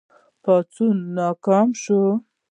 پاڅون ناکام شو.